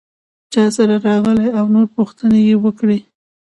څاسره راغلې او نور پوښتنې یې وکړې.